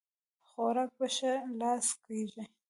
خوراک په ښي لاس کيږي